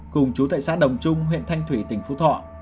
cùng chú tại xã đồng trung huyện thanh thủy tỉnh phú thọ